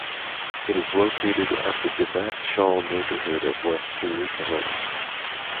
It is located at the Givat Shaul neighborhood of West Jerusalem.